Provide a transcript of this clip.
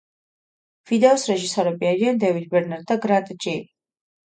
ვიდეოს რეჟისორები არიან დევიდ ბერნარდი და გრანტ ჯი.